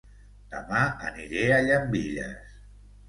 Dema aniré a Llambilles